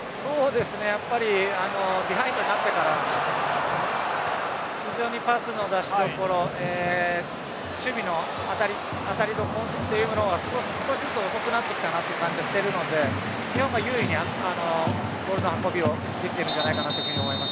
やっぱりビハインドになってから非常にパスの出しどころ守備の当たりどころというものが少しずつ遅くなってきたなという感じがしているので日本が優位に、ボールの運びができていると思います。